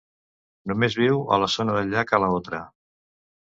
Només viu a la zona del llac Alaotra.